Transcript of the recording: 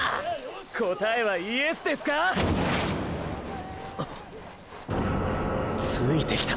答えはｙｅｓですか⁉ついてきた！！